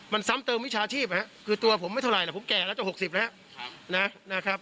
มันซ้ำเติมวิชาชีพคือตัวผมไม่เท่าไหร่ผมแก่แล้วจะ๖๐แล้วนะครับ